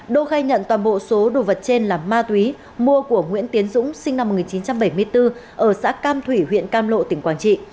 đô khai nhận toàn bộ số đồ vật trên là ma túy mua của nguyễn tiến dũng sinh năm một nghìn chín trăm bảy mươi bốn ở xã cam thủy huyện cam lộ tỉnh quảng trị